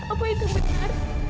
apa itu benar